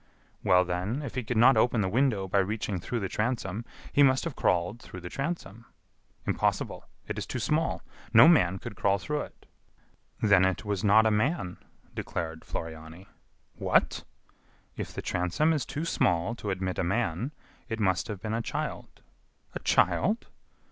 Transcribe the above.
"Well, then, if he could not open the window by reaching through the transom, he must have crawled through the transom." "Impossible; it is too small. No man could crawl through it." "Then it was not a man," declared Floriani. "What!" "If the transom is too small to admit a man, it must have been a child." "A child!"